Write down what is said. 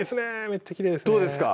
めっちゃきれいですね